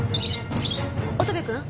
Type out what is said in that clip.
乙部君？